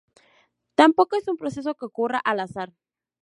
Tampoco es un proceso que ocurra al azar.